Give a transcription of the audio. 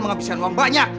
menghabiskan uang banyak